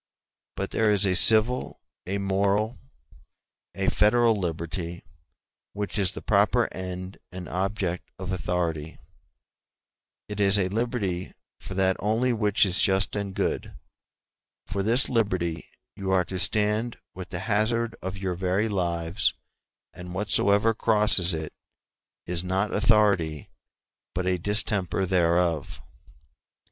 But there is a civil, a moral, a federal liberty which is the proper end and object of authority; it is a liberty for that only which is just and good: for this liberty you are to stand with the hazard of your very lives and whatsoever crosses it is not authority, but a distemper thereof.